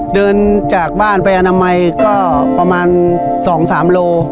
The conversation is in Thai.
เดินจากบ้านไปอนามัยก็ประมาณ๒๓โล